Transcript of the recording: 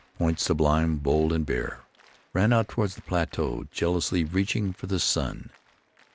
Point Sublime, bold and bare, ran out toward the plateau, jealously reaching for the sun.